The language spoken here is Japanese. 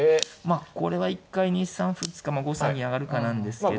これは一回２三歩打つか５三に上がるかなんですけど。